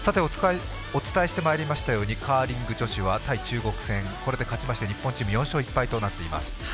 お伝えしてまいりましたようにカーリング女子は対中国戦、これで勝ちまして日本チーム４勝１敗となっています。